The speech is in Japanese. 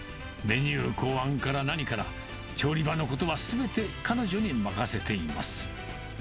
メニュー考案から何から、調理場のことはすべて彼女に任せています。